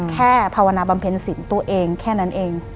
ภาวนาบำเพ็ญสินตัวเองแค่นั้นเอง